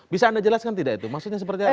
bisa anda jelaskan tidak itu maksudnya seperti apa